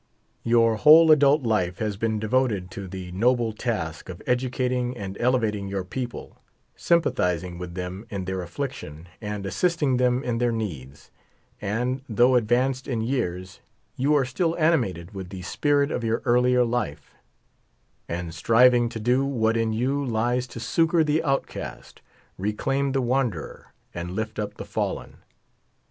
Your whole adult life has been devoted to the noble task of educating and elevating your people, sympathiz ing with them in their affliction, and assisting them in their needs ; and, though advanced in years, you are still animated with the spirit of your earlier life, and striving to do what in you lies to succor the outcast, reclaim the wanderer, and lift up the fallen.